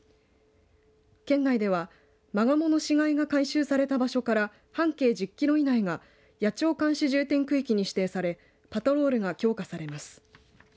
県内ではまがもの死骸が回収された場所から半径１０キロ以内が野鳥監視重点区域に指定されパトロールが強化されます。